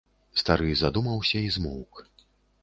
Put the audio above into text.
Стары задумаўся і змоўк.